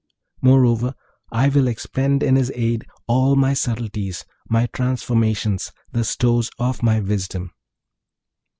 Moreover I will expend in his aid all my subtleties, my transformations, the stores of my wisdom.